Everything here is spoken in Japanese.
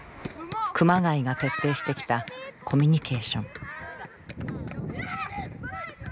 熊谷が徹底してきたコミュニケーション。